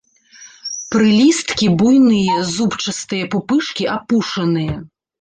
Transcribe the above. Прылісткі буйныя, зубчастыя, пупышкі апушаныя.